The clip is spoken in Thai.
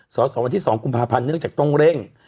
สอสอวันที่๒กุมภาพันธ์เนื่องจากต้องเร่ง